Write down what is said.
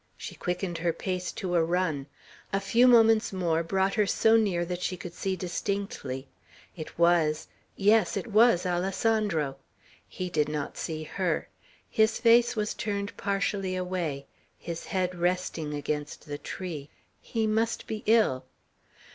She quickened her pace to a run. A few moments more brought her so near that she could see distinctly. It was yes, it was Alessandro. He did not see her. His face was turned partially away, his head resting against the tree; he must be ill.